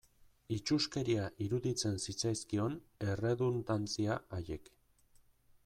Itsuskeria iruditzen zitzaizkion erredundantzia haiek.